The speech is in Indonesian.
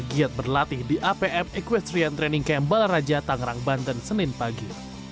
giat berlatih di apm equestrian training camp balaraja tangerang banten senin pagi